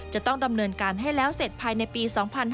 จะต้องดำเนินการให้แล้วเสร็จภายในปี๒๕๕๙